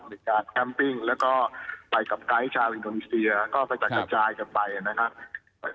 มีการแคมปิ้งแล้วก็ไปกับไกด์ชาวอินโดนีเซียก็กระจัดกระจายกันไปนะครับ